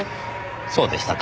そうでしたか。